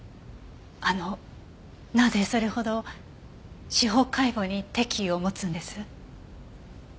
あのなぜそれほど司法解剖に敵意を持つんです？